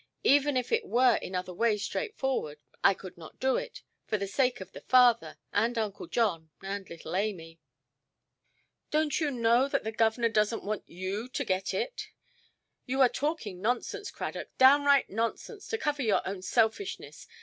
Even if it were in other ways straightforward, I could not do it, for the sake of the father, and Uncle John, and little Amy". "Donʼt you know that the governor doesnʼt want you to get it? You are talking nonsense, Cradock, downright nonsense, to cover your own selfishness.